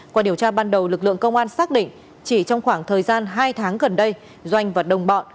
qua điều tra ban đầu lực lượng công an xác định chỉ trong khoảng thời gian hai tháng gần đây doanh và đồng bọn